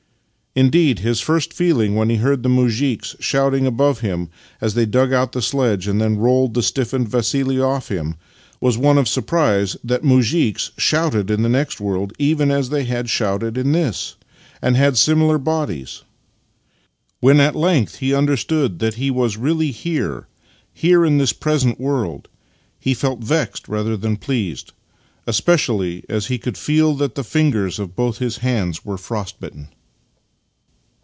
Indeed, his first feeling when he heard the imizhiks shouting above him as they dug out the sledge and then rolled the stiffened Vassili off him was one of surprise that muzhiks shouted in the next world even as they had shouted in this, and had similar bodies! When at length he understood that he was really here — here in this present world — he felt vexed rather than pleased, especially as he could feel that the fingers of both his hands were frostbitten.